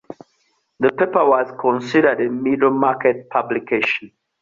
The paper was considered a 'middle-market' publication.